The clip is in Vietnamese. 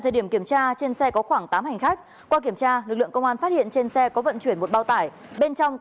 xin chào quý vị và các bạn